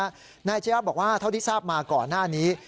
นายอาชียะบอกว่าเท่าที่ทราบมาก่อนหน้านี้